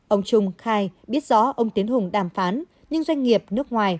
ông trung khai biết rõ ông tiến hùng đàm phán nhưng doanh nghiệp nước ngoài